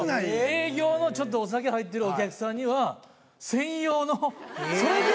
営業のちょっとお酒入ってるお客さんには、専用の。